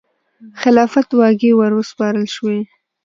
خلافت واګې وروسپارل شوې.